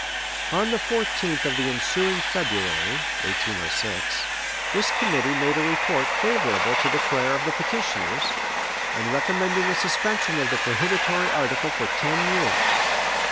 On the 14th of the ensuing February (1806), this committee made a report favorable to the prayer of the petitioners, and recommending a suspension of the prohibitory article for ten years.